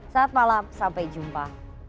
saat malam sampai jumpa